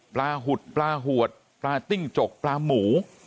หุดปลาหวดปลาจิ้งจกปลาหมู